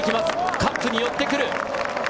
カップに寄ってくる！